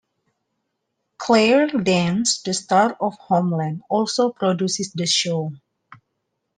Claire Danes, the star of "Homeland", also produces the show.